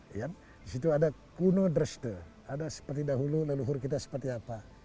di situ ada kuno dreste ada seperti dahulu leluhur kita seperti apa